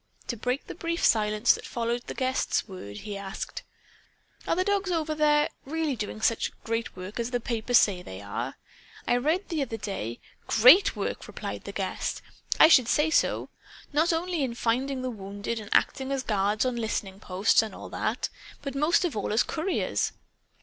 To break the brief silence that followed the guest's words, he asked: "Are the dogs, over there, really doing such great work as the papers say they are? I read, the other day " "'Great work!'" repeated the guest. "I should say so. Not only in finding the wounded and acting as guards on listening posts, and all that, but most of all as couriers.